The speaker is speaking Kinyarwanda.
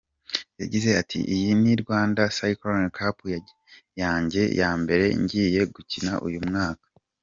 Yagize ati “Iyi ni Rwanda Cycling Cup yanjye ya mbere ngiye gukina uyu mwaka.